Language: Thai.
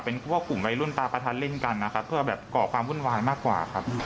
เป็นพวกกลุ่มวัยรุ่นตาประทัดเล่นกันนะครับเพื่อแบบก่อความวุ่นวายมากกว่าครับ